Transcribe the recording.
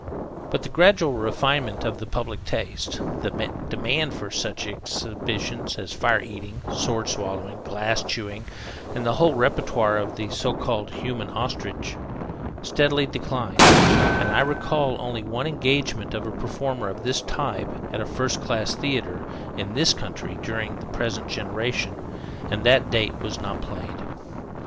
But with the gradual refinement of the public taste, the demand for such exhibitions as fire eating, sword swallowing, glass chewing, and the whole repertoire of the so called Human Ostrich, steadily declined, and I recall only one engagement of a performer of this type at a first class theater in this country during the present generation, and that date was not played.